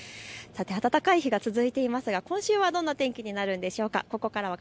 暖かい日が続いていますが今週はどんな天気になるんでしょうか。